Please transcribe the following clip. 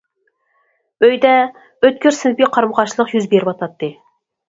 ئۆيدە ئۆتكۈر سىنىپىي قارىمۇ قارشىلىق يۈز بېرىۋاتاتتى.